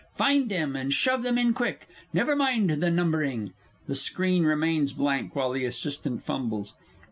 Find them, and shove them in quick. Never mind the numbering! (The screen remains blank while the ASSISTANT fumbles.)